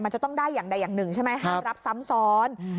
มันจะต้องได้อย่างใดอย่างหนึ่งใช่ไหมห้ามรับซ้ำซ้อน